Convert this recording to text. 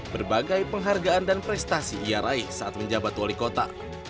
berbagai penghargaan dan prestasi ia raih saat menjabat wali kota